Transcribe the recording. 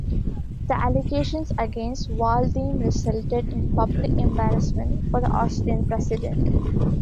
The allegations against Waldheim resulted in public embarrassment for the Austrian president.